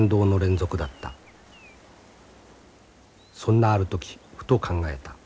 そんなある時ふと考えた。